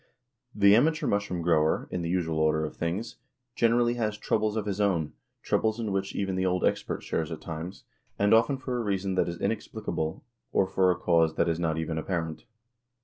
The amateur mushroom grower, in the usual order of things, generally has "troubles of his own," troubles in which even the old expert shares at times, and often for a reason that is inexplicable, or for a cause that is not even apparent.